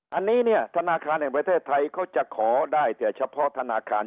อันนี้เนี่ยธนาคารแห่งประเทศไทยเขาจะขอได้แต่เฉพาะธนาคาร